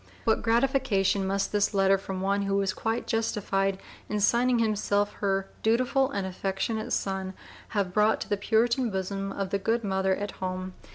What gratification must this letter from one who was quite justified in signing himself her "dutiful and affectionate son" have brought to the Puritan bosom of the good mother at home!